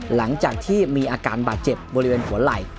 หลังจากที่มีอาการบาดเจ็บบริเวณหัวไหล่